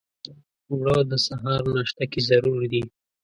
اوړه د سهار ناشته کې ضرور دي